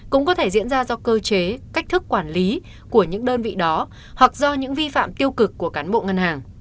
cũng có thể diễn ra do cơ chế cách thức quản lý của những đơn vị đó hoặc do những vi phạm tiêu cực của cán bộ ngân hàng